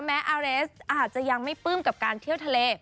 อาเรสอาจจะยังไม่ปลื้มกับการเที่ยวทะเล